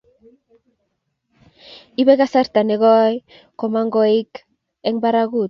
ipe kasarta ne koi komong' koik eng' parakut